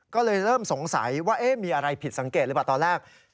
ก็เลยเริ่มสงสัยว่ามีอะไรผิดสังเกตหรือเปล่าตอนแรก